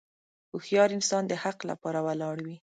هوښیار انسان د حق لپاره ولاړ وي.